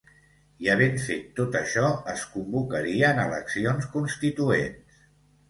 I, havent fet tot això, es convocarien eleccions constituents.